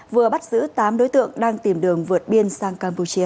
vừa bắt giữ tám đối tượng đang tìm đường vượt biên sang campuchia